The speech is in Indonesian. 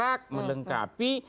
yang paling berpengaruh